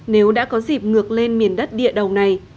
nếu đã có dịp ngược lên miền đất địa đầu này